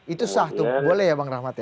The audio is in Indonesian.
itu sah tuh boleh ya bang rahmat ya